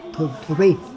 thôi cái này